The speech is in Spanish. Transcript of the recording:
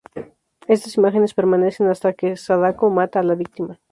Estas imágenes permanecen hasta que Sadako mata a la víctima.